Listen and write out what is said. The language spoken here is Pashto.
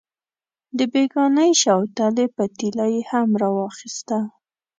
د بېګانۍ شوتلې پتیله یې هم راواخیسته.